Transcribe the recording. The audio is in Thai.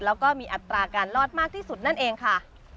แล้วก็มีอัตราการรอดมากที่สุดนั่นเองค่ะ